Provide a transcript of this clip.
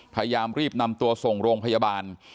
พยายามรีบนำตัวส่งโรงพยาบาล